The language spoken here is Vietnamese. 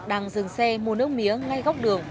đang dừng xe mua nước mía ngay góc đường